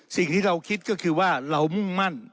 สิ่งที่เราคิดก็คือว่าเรามุ่งมั่น